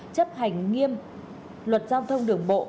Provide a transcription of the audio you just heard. chấp hành nghiêm luật giao thông đường bộ